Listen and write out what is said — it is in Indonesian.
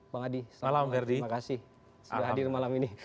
bang adi terima kasih sudah hadir malam ini